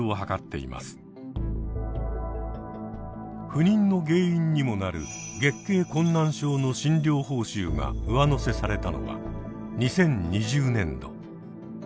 不妊の原因にもなる月経困難症の診療報酬が上乗せされたのは２０２０年度。